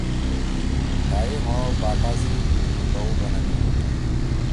تھأ یے مھو باٹا سی اُولُوٹؤ بنَدی۔